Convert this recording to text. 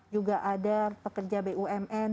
juga ada pekerja bumn